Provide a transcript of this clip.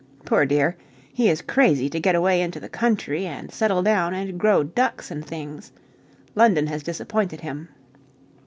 Poor dear! he is crazy to get away into the country and settle down and grow ducks and things. London has disappointed him.